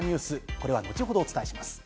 これは後ほどお伝えします。